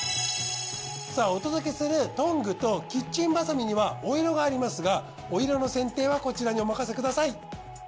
さあお届けするトングとキッチンバサミにはお色がありますがお色の選定はこちらにお任せください。